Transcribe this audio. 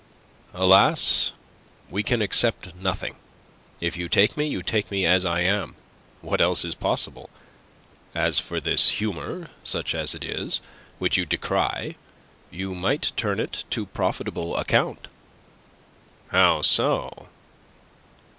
"Alas! we can except nothing. If you take me, you take me as I am. What else is possible? As for this humour such as it is which you decry, you might turn it to profitable account." "How so?"